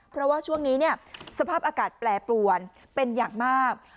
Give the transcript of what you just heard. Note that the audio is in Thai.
เพราะว่าช่วงนี้สภาพอากาศแปรปรวนเป็นอย่างมาก